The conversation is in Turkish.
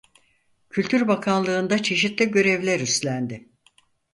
Kültür Bakanlığı'nda çeşitli görevler üstlendi.